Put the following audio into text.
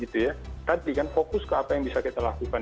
tadi kan fokus ke apa yang bisa kita lakukan